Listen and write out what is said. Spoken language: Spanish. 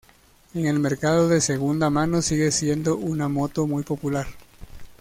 En el mercado de segunda mano sigue siendo una moto muy popular.